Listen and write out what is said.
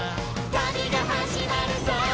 「旅が始まるぞ！」